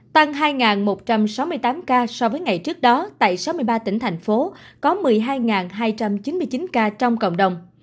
tăng hai một trăm sáu mươi tám ca so với ngày trước đó tại sáu mươi ba tỉnh thành phố có một mươi hai hai trăm chín mươi chín ca trong cộng đồng